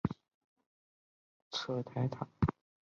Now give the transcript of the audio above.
侧台塔小斜方截半二十面体欠二侧台塔。